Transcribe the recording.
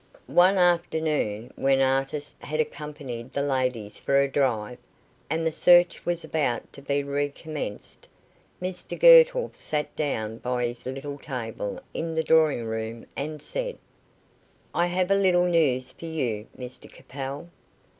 One afternoon, when Artis had accompanied the ladies for a drive, and the search was about to be recommenced, Mr Girtle sat down by his little table in the drawing room and said: "I have a little news for you, Mr Capel."